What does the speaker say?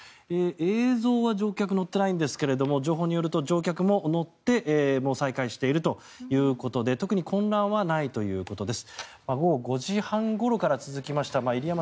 映像は乗客が乗っていないんですが情報によると乗客も乗ってもう再開しているということで特に混乱はないということです。